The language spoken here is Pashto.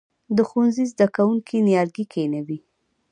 د ښوونځي زده کوونکي نیالګي کینوي؟